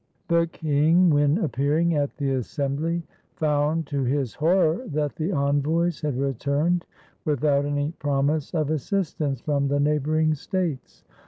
The king, when appearing at the assembly, found to his horror that the envoys had returned without any promise of assistance from the neighboring states.